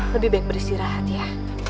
lebih baik beristirahat ya